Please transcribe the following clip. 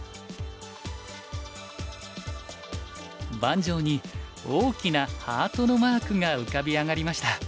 盤上に大きなハートのマークが浮かび上がりました。